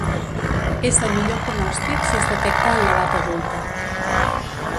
És de millor pronòstic si es detecta en l'edat adulta.